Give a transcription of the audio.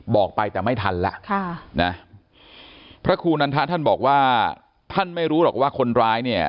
บอกไปแต่ไม่ทันแล้วค่ะนะพระครูนันทะท่านบอกว่าท่านไม่รู้หรอกว่าคนร้ายเนี่ย